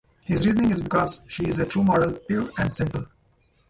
His reasoning is Because she's a true model, pure and simple.